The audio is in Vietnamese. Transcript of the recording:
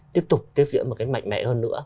tiếp tục tiếp diễn một cách mạnh mẽ hơn nữa